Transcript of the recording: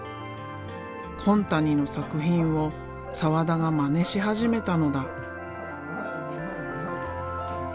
紺谷の作品を澤田がまねし始めたのだ。